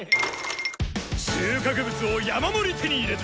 収穫物を山盛り手に入れた！